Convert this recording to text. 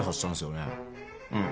うん。